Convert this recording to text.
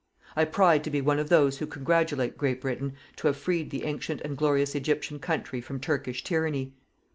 I pride to be one of those who congratulate Great Britain to have freed the ancient and glorious Egyptian country from Turkish tyranny.